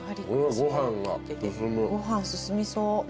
ご飯進みそう。